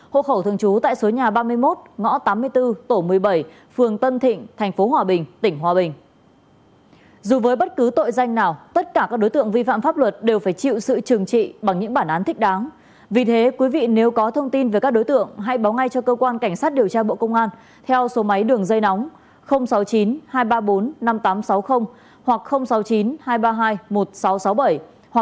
hộ khẩu thường trú tại số nhà ba mươi một ngõ tám mươi bốn tổ một mươi bảy phường tân thịnh thành phố hòa bình tỉnh hòa bình